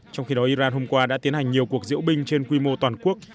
trong khi đó iran hôm qua đã tiến hành nhiều cuộc diễu binh trên quy mô toàn quốc